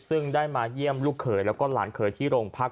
ซึ่งได้มาเยี่ยมลูกเขยแล้วก็หลานเขยที่โรงพัก